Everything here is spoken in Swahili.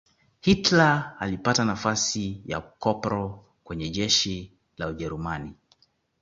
hitler alipata nafasi ya ukopro kwenye jeshi la ujerumani